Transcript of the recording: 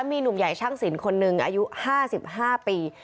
มีหนุ่มใหญ่ช่างสินคนหนึ่งอายุ๕๕ปี